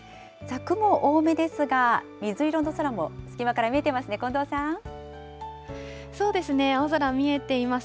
雲、多めですが、水色の空も隙間そうですね、青空見えています。